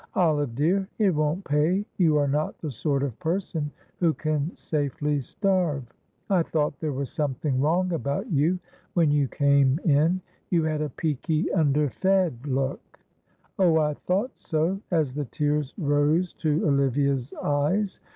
"Olive dear, it won't pay; you are not the sort of person who can safely starve. I thought there was something wrong about you when you came in; you had a peaky, under fed look. Oh, I thought so!" as the tears rose to Olivia's eyes.